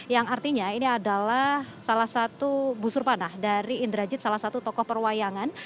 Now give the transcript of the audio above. yang artinya ini adalah salah satu busur panah dari indrajit salah satu tokoh perwayangan